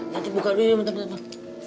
nanti buka dulu ya mantap nantap